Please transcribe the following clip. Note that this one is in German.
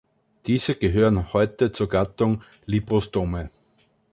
Diese gehören heute zur Gattung „Librostome“.